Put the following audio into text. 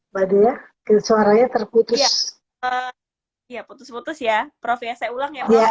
mbak dea suaranya terputus ya putus putus ya prof ya saya ulang ya